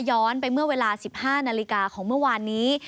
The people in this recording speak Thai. ย้อนไปเมื่อเวลา๑๕นาฬิกาของเมื่อวานนี้